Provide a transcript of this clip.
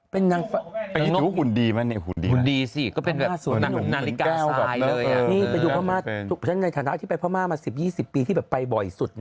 ไปดูหุ่นดีมั้ยเนี่ยหุ่นดีสิก็เป็นแบบหนังนาฬิกาซ้ายเลยอ่ะนี่ไปดูพระม่าฉันในฐานะที่ไปพระม่ามา๑๐๒๐ปีที่แบบไปบ่อยสุด